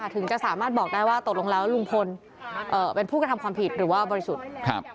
ถึงจะสามารถบอกได้ว่าตกลงแล้วลุงพลเป็นผู้กระทำความผิดหรือว่าบริสุทธิ์